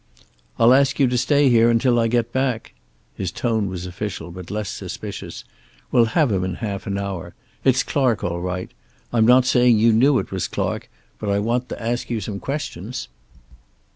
"I'll ask you to stay here until I come back." His tone was official, but less suspicious. "We'll have him in a half hour. It's Clark all right. I'm not saying you knew it was Clark, but I want to ask you some questions."